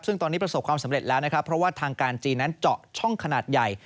ซึ่งตอนนี้ประสบความสำเร็จแล้วนะครับเพราะว่าทางการจีนนั้นเจาะช่องขนาดใหญ่